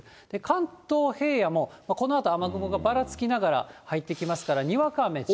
関東平野もこのあと雨雲がばらつきながら入ってきますから、にわか雨注意。